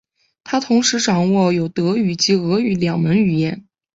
他同时掌握有德语及俄语两门语言。